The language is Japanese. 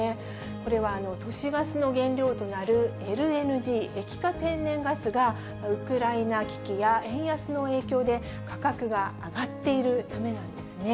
これは都市ガスの原料となるＬＮＧ・液化天然ガスが、ウクライナ危機や円安の影響で、価格が上がっているためなんですね。